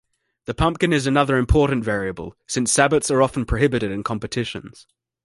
The pumpkin is another important variable since sabots are often prohibited in competitions.